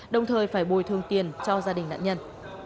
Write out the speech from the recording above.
đồng thời phải bồi thường tiền cho gia đình nạn nhân